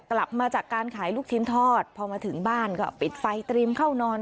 กลับมาจากการขายลูกชิ้นทอดพอมาถึงบ้านก็ปิดไฟเตรียมเข้านอน